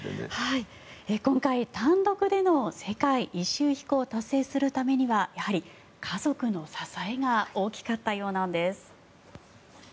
今回単独での世界一周飛行を達成するには家族の支えが大きかったようなんです。